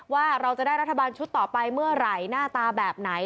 ว่าเราจะได้รัฐบาลชุดต่อไปเมื่อไหร่หน้าตาแบบไหน